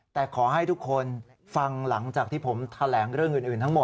แต่ขอให้ทุกคนฟังหลังจากที่ผมแถลงเรื่องอื่นทั้งหมด